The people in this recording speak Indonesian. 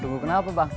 tunggu kenapa bang